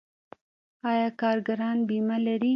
آیا کارګران بیمه لري؟